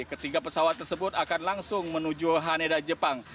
ketiga pesawat tersebut akan langsung menuju haneda jepang